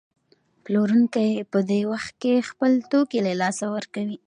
پلورونکی په دې وخت کې خپل توکي له لاسه ورکوي